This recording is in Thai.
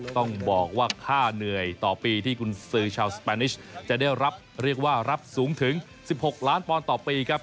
ต้องบอกว่าค่าเหนื่อยต่อปีที่กุญสือชาวสแปนิชจะได้รับเรียกว่ารับสูงถึง๑๖ล้านปอนด์ต่อปีครับ